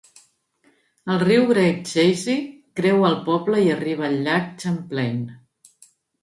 El riu Great Chazy creua el poble i arriba al llac Champlain.